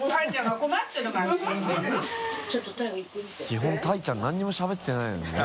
基本たいちゃん何にもしゃべってないのにね。